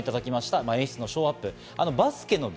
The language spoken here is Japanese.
演出のショーアップ。